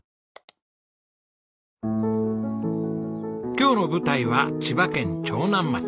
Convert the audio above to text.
今日の舞台は千葉県長南町。